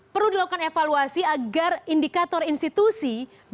perlu dilakukan evaluasi agar indikator institusi bisa jauh lagi